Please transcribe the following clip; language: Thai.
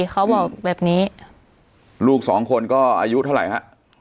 เขาบอกแบบนี้ลูกสองคนก็อายุเท่าไหร่ฮะ